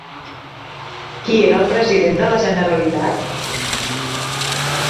Qui era el president de la Generalitat?